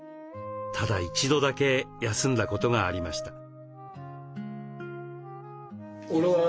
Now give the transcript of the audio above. ただ一度だけ休んだことがありました。